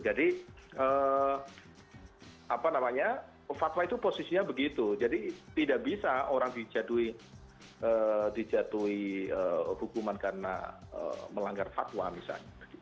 jadi fatwa itu posisinya begitu jadi tidak bisa orang dijatuhi hukuman karena melanggar fatwa misalnya